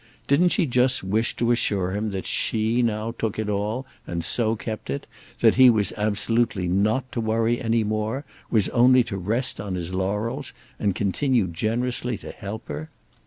Didn't she just wish to assure him that she now took it all and so kept it; that he was absolutely not to worry any more, was only to rest on his laurels and continue generously to help her?